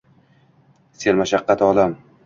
Sermashakkat olam